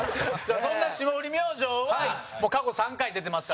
そんな霜降り明星はもう、過去３回出てますから。